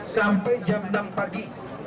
sampai jam enam pagi